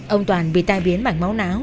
ông toàn bị tai biến bảnh máu não